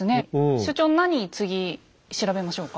所長何次調べましょうか？